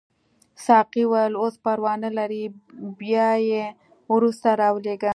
ساقي وویل اوس پروا نه لري بیا یې وروسته راولېږه.